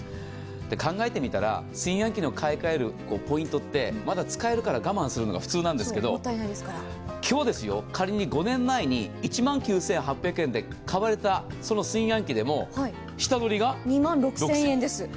考えてみたら炊飯器の買い換えるポイントって、まだ使えるから我慢するのが普通なんですけど、今日、仮に５年前に１万９８００円で買われたときにも下取りが２万６０００円です。